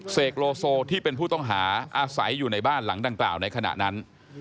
โลโซที่เป็นผู้ต้องหาอาศัยอยู่ในบ้านหลังดังกล่าวในขณะนั้น